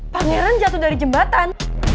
pangeran jatuh dari jembatan